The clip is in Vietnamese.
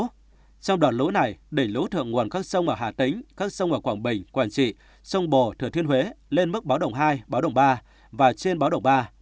trong đoạn lũ này đẩy lũ thượng nguồn các sông ở hà tĩnh các sông ở quảng bình quảng trị sông bồ thừa thiên huế lên mức báo đồng hai báo đồng ba và trên báo đồng ba